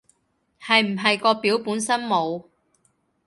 係唔係個表本身冇